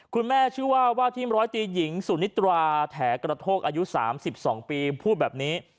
คุณแม่ชื่อว่าว่าทีมร้อยตีหญิงสุนิตราแถกระโทกอายุ๓๒ปีพูดแบบนี้